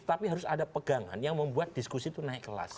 tapi harus ada pegangan yang membuat diskusi itu naik kelas